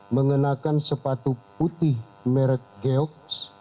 mengenakan sepatu putih merek geoks